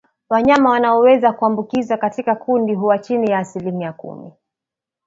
Wanyama wanaoweza kuambukizwa katika kundi huwachini ya asilimia kumi